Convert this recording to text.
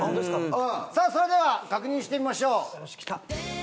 それでは確認してみましょう。